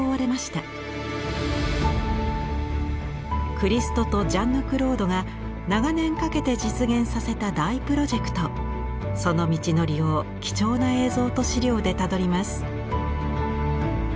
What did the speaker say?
クリストとジャンヌ＝クロードが長年かけて実現させた大プロジェクトその道のりを貴重な映像と資料でたどります。